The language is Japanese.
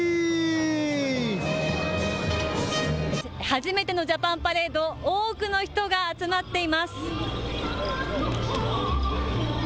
初めてのジャパンパレード、多くの人が集まっています。